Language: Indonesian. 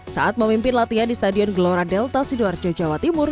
saat memimpin latihan di stadion gelora delta sidoarjo jawa timur